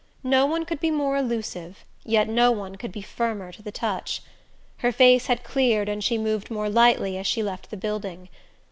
No one could be more elusive yet no one could be firmer to the touch. Her face had cleared and she moved more lightly as she left the building.